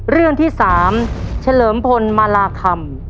เรื่องที่๓เฉลิมพลมาลาคำ